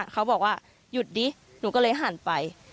เขาบอกว่าหยุดดิหนูก็เลยหันไป